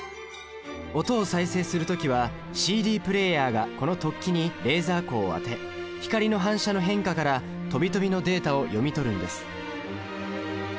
音を再生する時はＣＤプレーヤーがこの突起にレーザー光を当て光の反射の変化からとびとびのデータを読み取るんです